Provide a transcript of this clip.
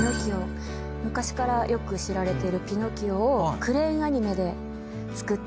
昔からよく知られてる『ピノキオ』をクレイアニメで作った。